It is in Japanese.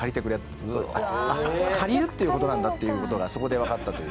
借りるっていう事なんだっていう事がそこでわかったという。